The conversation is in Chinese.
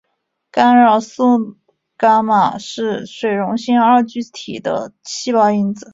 干扰素伽玛是水溶性二聚体的细胞因子。